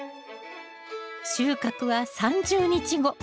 収穫は３０日後。